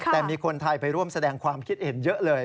แต่มีคนไทยไปร่วมแสดงความคิดเห็นเยอะเลย